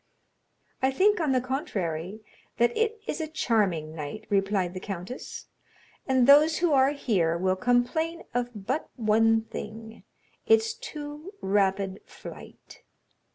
"I think, on the contrary, that it is a charming night," replied the countess, "and those who are here will complain of but one thing, that of its too rapid flight."